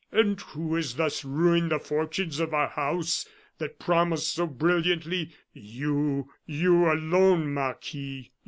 "And who has thus ruined the fortunes of our house, that promised so brilliantly? You, you alone, Marquis.